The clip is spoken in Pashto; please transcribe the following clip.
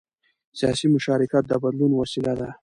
سیاسي مشارکت د بدلون وسیله ده